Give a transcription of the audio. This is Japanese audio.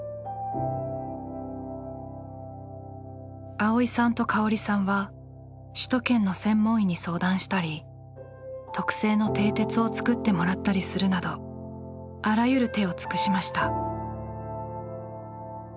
蒼依さんと香織さんは首都圏の専門医に相談したり特製のてい鉄を作ってもらったりするなどあらゆる手を尽くしました。